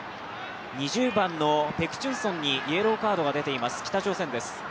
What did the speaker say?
２０番のペク・チュンソンにイエローカードが出ています、北朝鮮です。